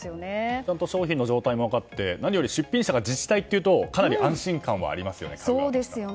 ちゃんと商品の状態も分かって何より出品者が自治体というとかなり安心感はありますよね